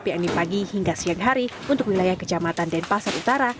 yakni pagi hingga siang hari untuk wilayah kecamatan denpasar utara